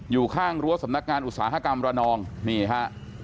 อยู่ข้างรั้วสำนักงานอุตสาหกรรมระนองนี่ฮะ